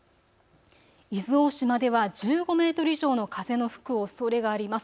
伊豆大島では１５メートル以上の風の吹くおそれがあります。